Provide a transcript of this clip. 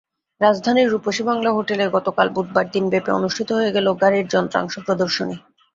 রাজধানীর রূপসী বাংলা হোটেলে গতকাল বুধবার দিনব্যাপী অনুষ্ঠিত হয়ে গেল গাড়ির যন্ত্রাংশ প্রদর্শনী।